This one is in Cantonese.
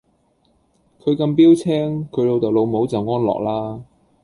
佢咁標青，佢老豆老母就安樂啦